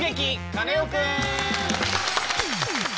カネオくん」！